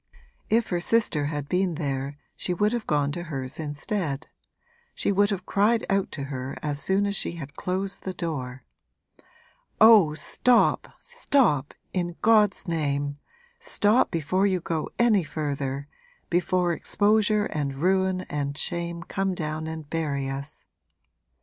If her sister had been there she would have gone to hers instead she would have cried out to her as soon as she had closed the door: 'Oh, stop, stop in God's name, stop before you go any further, before exposure and ruin and shame come down and bury us!'